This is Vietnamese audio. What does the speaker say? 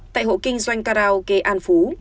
tại hộ kinh doanh karaoke an phú